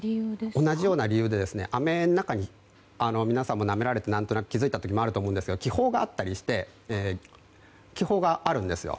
同じような理由であめの中に皆さんもなめられて何となく気づいた時もあると思うんですが気泡があるんですよ。